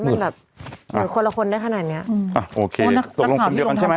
มันแบบเหมือนคนละคนได้ขนาดเนี้ยอืมอ่ะโอเคตกลงคนเดียวกันใช่ไหม